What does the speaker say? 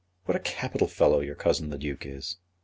What a capital fellow your cousin the Duke is."